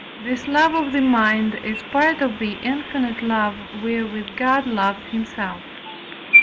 this love of the mind is part of the infinite love wherewith God loves himself.